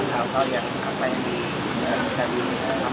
dalam kebangsaan negara kita setelah ini